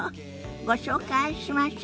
ご紹介しましょ。